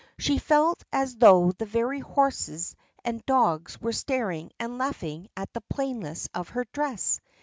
She felt as though the very horses and dogs were staring and laughing at the plainness of her dress.